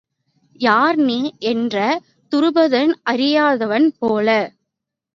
யார் நீ? என்றான் துருபதன் அறியாதவன் போல.